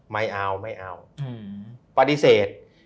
ไม่เอาปฏิเสธ